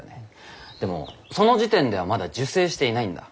でもその時点ではまだ受精していないんだ。